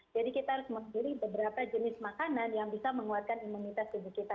jadi kita harus memilih beberapa jenis makanan yang bisa menguatkan imunitas tubuh kita